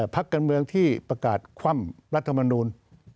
พักการเมืองที่ประกาศคว่ำรัฐมนูล